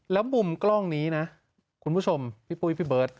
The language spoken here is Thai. แล้วมุมกล้องนี้นะคุณผู้ชมพี่ปุ้ยพี่เบิร์ต